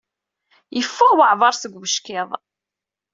Yeffeɣ weɛbaṛ seg ubeckiḍ.